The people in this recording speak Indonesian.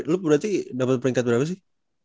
lu berarti dapet peringkat berapa sih